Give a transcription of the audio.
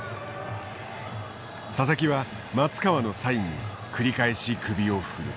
佐々木は松川のサインに繰り返し首を振る。